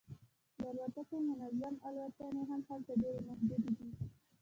د الوتکو منظم الوتنې هم هلته ډیرې محدودې دي